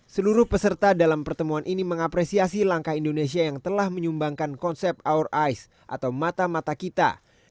seluruh peserta dalam pertemuan ini mengapresiasi langkah indonesia yang telah menyumbangkan konsep our ice atau mata mata kita